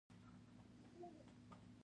د دې څېړنې له مخې دا ډېر ګټور دی